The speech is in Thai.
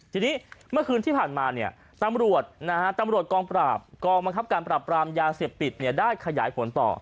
ทีนี้เมื่อคืนที่ผ่านมาตำรวจกอมกราบการปรับปรามยาเสียบติดได้ขยายผลต่อ